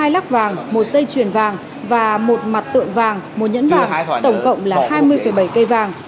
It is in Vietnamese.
hai lắc vàng một dây chuyền vàng và một mặt tượng vàng một nhẫn vàng tổng cộng là hai mươi bảy cây vàng